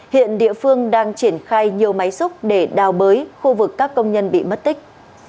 hiện địa phương đang triển khai nhiều máy xúc để đào bới khu vực các công nhân bị mất tích